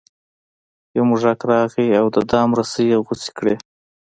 یو موږک راغی او د دام رسۍ یې غوڅې کړې.